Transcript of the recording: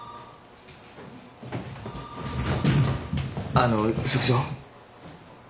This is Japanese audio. あの職長。